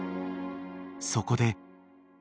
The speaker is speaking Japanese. ［そこで］